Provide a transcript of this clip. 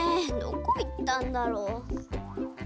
どこいったんだろう？